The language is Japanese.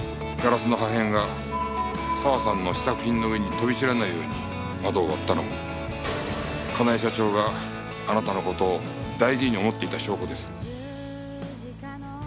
ガラスの破片が佐和さんの試作品の上に飛び散らないように窓を割ったのも香奈恵社長があなたの事を大事に思っていた証拠です。